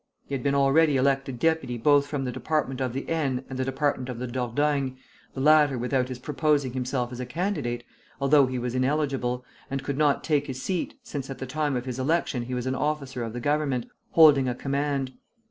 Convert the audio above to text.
He had been already elected deputy both from the Department of the Aisne and the Department of the Dordogne, the latter without his proposing himself as a candidate, although he was ineligible, and could not take his seat, since at the time of his election he was an officer of the Government, holding a command.